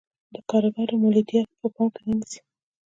د کارګرو مولدیت په پام کې نه نیسي.